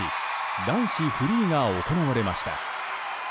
男子フリーが行われました。